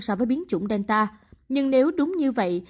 so với biến chủng delta nhưng nếu đúng như vậy